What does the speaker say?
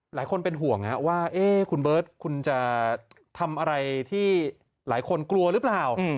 หลายคนเป็นห่วงว่าคุณเบิร์ตคุณจะทำอะไรที่หลายคนกลัวหรือเปล่า